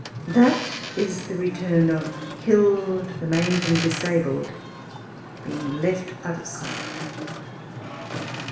That is the return of killed, the maimed and disabled being left out of sight.